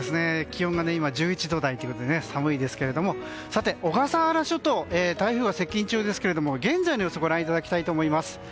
気温が今１１度台で寒いですけど小笠原諸島、台風が接近中ですが現在の様子をご覧いただきたいと思います。